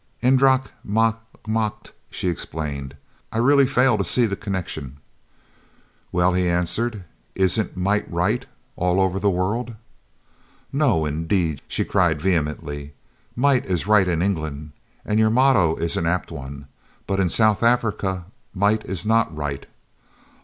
"Eendracht maakt Macht?" she exclaimed. "I really fail to see the connection." "Well," he answered, "isn't Might Right all the world over?" "No, indeed!" she cried vehemently. "Might is right in England, and your motto is an apt one, but in South Africa might is not right.